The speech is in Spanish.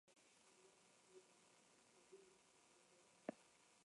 Tuvo una vasta trayectoria como actriz en telenovelas.